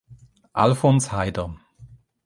Alfons Haider